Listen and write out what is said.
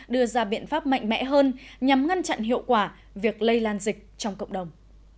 đưa ra biện pháp mạnh mẽ hơn nhằm ngăn chặn hiệu quả việc lây lan dịch trong cộng đồng